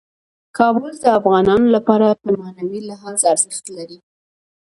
کابل د افغانانو لپاره په معنوي لحاظ ارزښت لري.